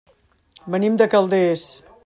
Venim de Calders.